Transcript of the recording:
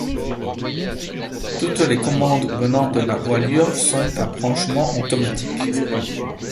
Toutes les commandes venant de la voilures sont à branchement automatique.